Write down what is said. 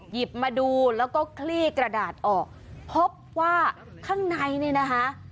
หยิบมาดูแล้วก็คลี่กระดาษออกพบว่าข้างในเนี่ยนะคะ